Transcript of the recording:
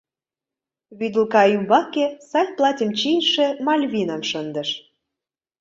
Вӱдылка ӱмбаке сай платьым чийыше Мальвинам шындыш.